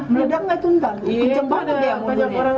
meredaknya itu entar